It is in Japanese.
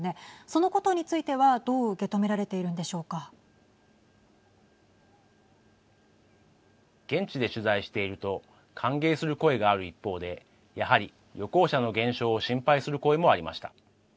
そのことについては、どう受け止められて現地で取材していると歓迎する声がある一方で、やはり旅行者の減少を心配する声もありました。